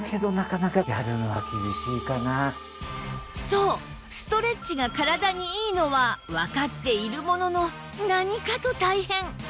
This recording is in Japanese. そうストレッチが体にいいのはわかっているものの何かと大変